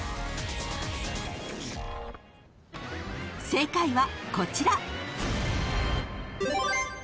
［正解はこちら］